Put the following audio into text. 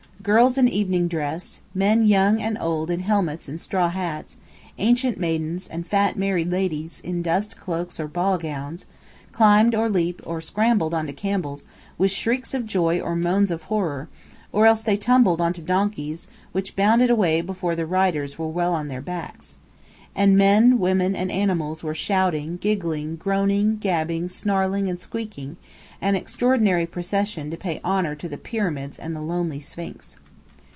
Girls in evening dress; men young and old in helmets and straw hats, ancient maidens, and fat married ladies, in dust cloaks or ball gowns, climbed or leaped or scrambled onto camels, with shrieks of joy or moans of horror: or else they tumbled onto donkeys which bounded away before the riders were well on their backs. And men, women, and animals were shouting, giggling, groaning, gabbling, snarling, and squeaking; an extraordinary procession to pay honour to the Pyramids and the lonely Sphinx.